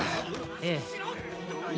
ええ。